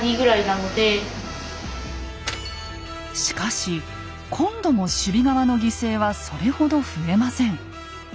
しかし今度も守備側の犠牲はそれほど増えません。